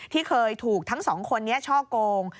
ที่เคยถูกทั้งสองคนนี้ช่อโกง